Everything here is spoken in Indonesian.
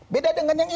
beda dengan yang ini